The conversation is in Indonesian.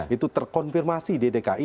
itu terkonfirmasi di dki